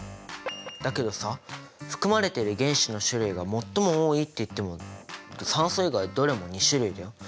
だけどさ含まれている原子の種類が最も多いって言っても酸素以外どれも２種類だよ。